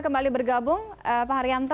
kembali bergabung pak haryanto